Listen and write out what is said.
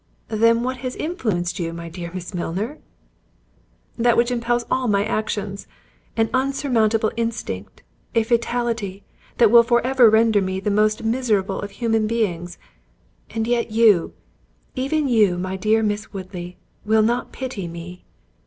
"Then what has influenced you, my dear Miss Milner?" "That which impels all my actions—an unsurmountable instinct—a fatality, that will for ever render me the most miserable of human beings; and yet you, even you, my dear Miss Woodley, will not pity me."